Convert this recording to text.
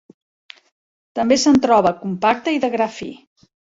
També se'n troba compacta i de gra fi.